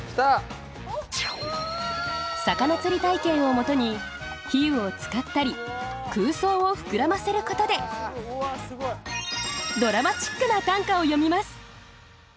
魚釣り体験をもとに比喩を使ったり空想を膨らませることでドラマチックな短歌を詠みます